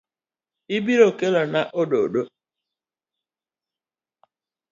Ibiro Kelona ododo.